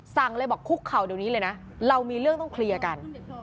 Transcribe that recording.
สั่งเลยบอกคุกเข่าเดี๋ยวนี้เลยนะเรามีเรื่องต้องเคลียร์กัน